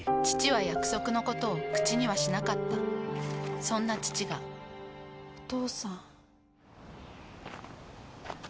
父は約束のことを口にはしなかったそんな父がお父さん。